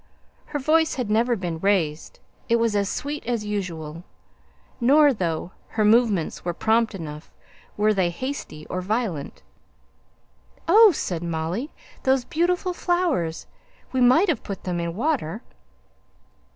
Her voice had never been raised; it was as sweet as usual; nor, though her movements were prompt enough, were they hasty or violent. "Oh!" said Molly, "those beautiful flowers! We might have put them in water."